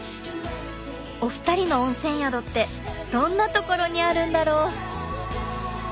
お二人の温泉宿ってどんなところにあるんだろう？